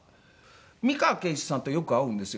美川憲一さんとよく会うんですよ